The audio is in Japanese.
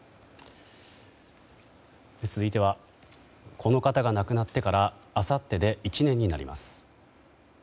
続いてはこの方が亡くなってからあさってで１年になります。